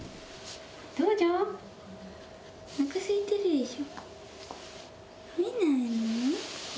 どうぞおなかすいてるでしょ。